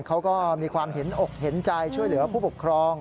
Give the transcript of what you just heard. เขาก็มีความเห็นอกเห็นใจช่วยเหลือผู้ปกครอง